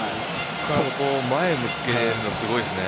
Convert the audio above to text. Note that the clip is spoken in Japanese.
そこを前に向けるのがすごいですね。